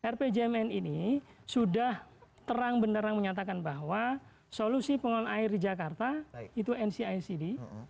rpjmn ini sudah terang benerang menyatakan bahwa solusi pengelolaan air di jakarta itu ncicd